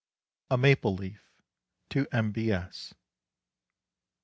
A Maple Leaf. TO M.